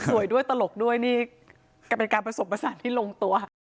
สวยด้วยตลกด้วยนี่ก็เป็นการผสมผสานที่ลงตัว